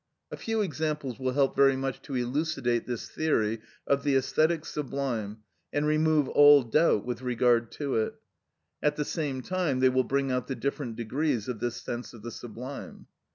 A few examples will help very much to elucidate this theory of the æsthetic sublime and remove all doubt with regard to it; at the same time they will bring out the different degrees of this sense of the sublime.